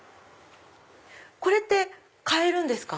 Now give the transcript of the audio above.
これって買えるんですか？